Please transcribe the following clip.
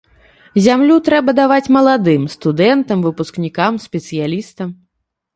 Зямлю трэба даваць маладым, студэнтам, выпускнікам, спецыялістам.